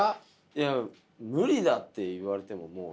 いや「無理だ」って言われてももう。